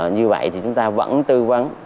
như vậy thì chúng ta vẫn tư vấn